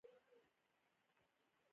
ځغاسته د زړه ناروغۍ مخه نیسي